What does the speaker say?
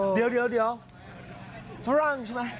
เดี๋ยวฝรั่งใช่ไหม